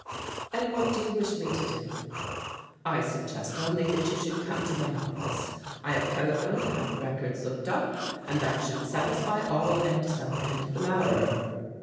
"And what do you wish me to do?" "I suggest only that you should come to my office. I have telephoned to have the records looked up and that should satisfy all and so end the matter."